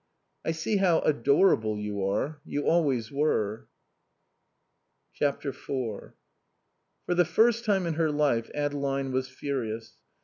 "I see how adorable you are. You always were." iv For the first time in her life Adeline was furious.